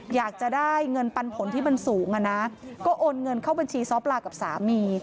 อยากจะได้เงินปันผลที่มันสูงอ่ะนะก็โอนเงินเข้าบัญชีซ้อปลากับสามี